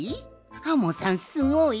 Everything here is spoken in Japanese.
アンモさんすごい？